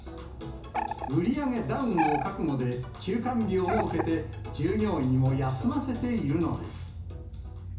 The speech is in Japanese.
売り上げダウンを覚悟で、休館日を設けて、従業員を休ませているのです。